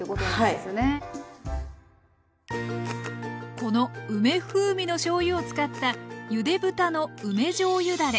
この梅風味のしょうゆを使ったゆで豚の梅じょうゆだれ。